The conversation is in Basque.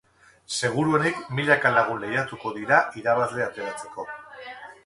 Seguruenik milaka lagun lehiatuko dira irabazle ateratzeko.